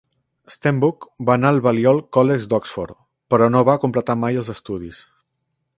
Stenbock va anar al Balliol College d'Oxford però no va completar mai els estudis.